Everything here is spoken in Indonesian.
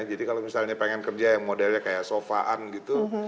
jadi kalau misalnya pengen kerja yang modelnya kayak sofaan gitu